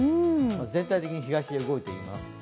全体的に東へ動いています。